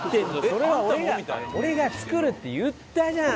それは俺が作るって言ったじゃん！